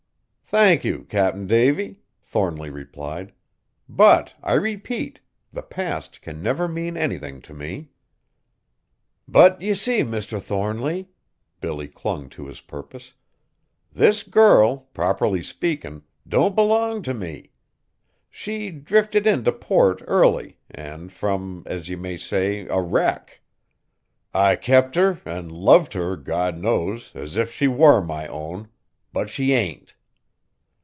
"Thank you, Cap'n Davy," Thornly replied, "but, I repeat, the past can never mean anything to me." "But ye see, Mr. Thornly," Billy clung to his purpose, "this girl, properly speakin', don't b'long t' me. She drifted in t' port early, an' from, as ye may say, a wreck; I kept her, an' loved her, God knows, as if she war my own. But she ain't!"